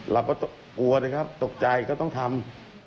เราก็กลัวนะครับตกใจก็ต้องทำ